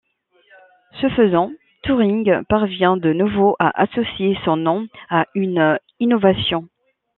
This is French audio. Ce faisant, Touring parvient de nouveau à associer son nom à une innovation.